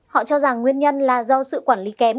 họ cho rằng nguyên nhân là do sự quản lý kém